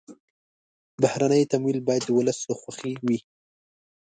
بهرني تمویل باید د ولس له خوښې وي.